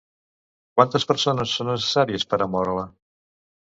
Quantes persones són necessàries per a moure-la?